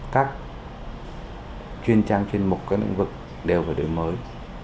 các chuyên trang chuyên mục các lĩnh vực đều phải đổi mới